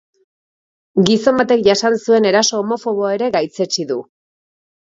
Gizon batek jasan zuen eraso homofoboa ere gaitzetsi du.